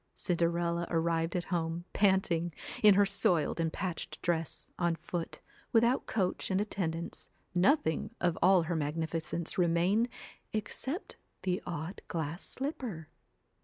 Cinderella arrived at home, panting, in her soiled and patched dress, on foot, without coach and attendance, nothing of all her magnificence remained except the odd glass slipper.